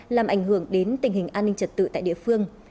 làm ảnh hưởng đến tình hình an ninh trật tự tại địa phương